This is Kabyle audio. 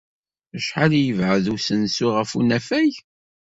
Acḥal ay yebɛed usensu ɣef unafag?